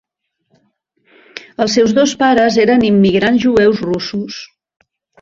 Els seus dos pares eren immigrants jueus russos.